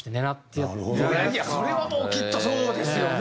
いやそれはもうきっとそうですよね。